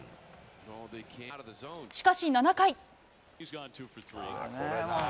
しかし、７回。